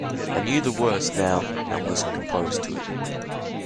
I knew the worst now and was composed to it.